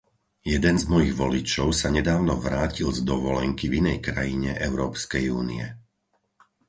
Jeden z mojich voličov sa nedávno vrátil z dovolenky v inej krajine Európskej únie.